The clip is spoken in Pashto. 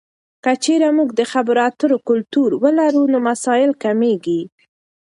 که چیرته موږ د خبرو اترو کلتور ولرو، نو مسایل کمېږي.